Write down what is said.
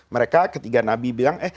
mereka ketika nabi bilang